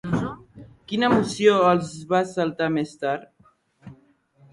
Quina emoció els va assaltar més tard?